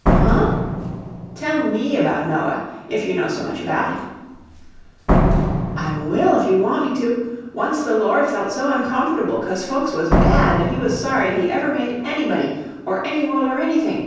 "Huh?" "Tell ME about Noah, if you know so much about him." "I will, if you want me to. Once the Lord felt so uncomfortable cos folks was bad that he was sorry he ever made anybody, or any world or anything.